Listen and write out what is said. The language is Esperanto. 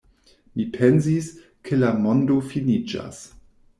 Mi pensis, ke la mondo finiĝas.